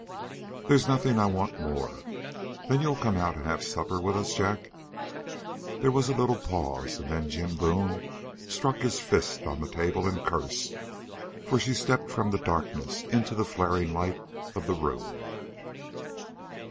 "There's nothing I want more. Then you'll come out and have supper with us, Jack?" There was a little pause, and then Jim Boone struck his fist on the table and cursed, for she stepped from the darkness into the flaring light of the room.